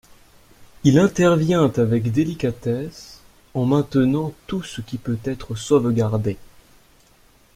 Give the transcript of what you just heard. Il intervient avec délicatesse, en maintenant tout ce qui peut être sauvegardé.